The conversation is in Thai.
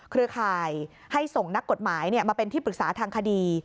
เครือข่ายให้ส่งนักกฎหมายมาเป็นที่ปรึกษาทางคดี